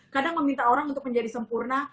kadang meminta orang untuk menjadi sempurna